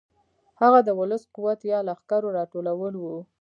هغه د ولسي قوت یا لښکرو راټولول و.